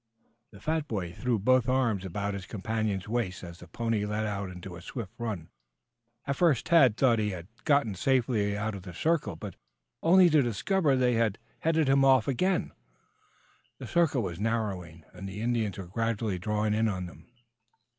The fat boy threw both arms about his companion's waist as the pony let out into a swift run. At first Tad thought he had gotten safely out of the circle, only to discover that they had headed him again. The circle was narrowing, and the Indians were gradually drawing in on them.